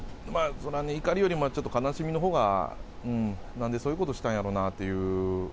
怒りよりちょっと悲しみのほうが、なんでそういうことしたんやろなあっていう。